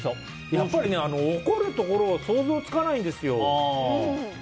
やっぱり怒るところ想像つかないんですよ。